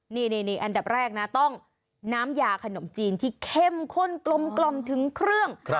นี่อันดับแรกนะต้องน้ำยาขนมจีนที่เข้มข้นกลมถึงเครื่อง